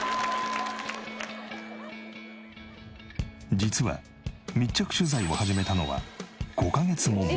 実は密着取材を始めたのは５カ月も前。